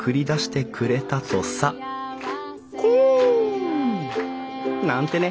コン！なんてね